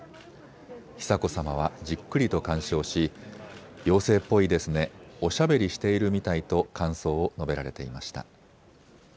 久子さまはじっくりと鑑賞し妖精っぽいですね、おしゃべりしているみたいと感想を述べられていました。